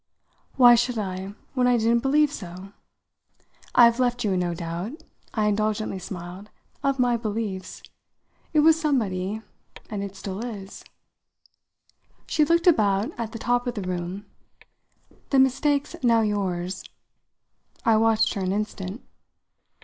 "Why should I when I didn't believe so? I've left you in no doubt," I indulgently smiled, "of my beliefs. It was somebody and it still is." She looked about at the top of the room. "The mistake's now yours." I watched her an instant.